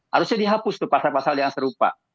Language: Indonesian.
harusnya dihapus tuh pasal pasal yang serupa